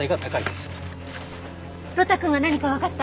呂太くんは何かわかった？